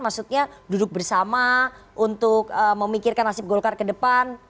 maksudnya duduk bersama untuk memikirkan nasib golkar ke depan